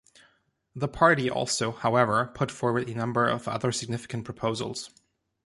The party also, however, put forward a number of other significant proposals.